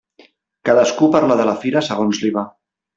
Cadascú parla de la fira segons li va.